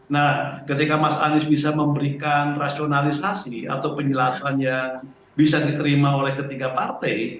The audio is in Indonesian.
nah ketika mas anies bisa memberikan rasionalisasi atau penjelasan yang bisa diterima oleh ketiga partai